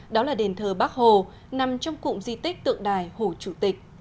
đó là đền thờ bắc hồ nằm trong cụm di tích tượng đài hồ chủ tịch